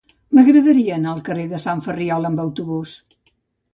M'agradaria anar al carrer de Sant Ferriol amb autobús.